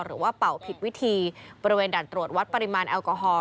หรือว่าเป่าผิดวิธีบริเวณดันตรวจวัดปริมาณแอลกอฮอล์